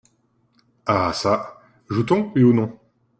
Ah çà ! joue-t-on, oui ou non ?